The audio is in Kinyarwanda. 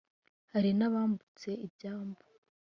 hari n’abambutse ibyambu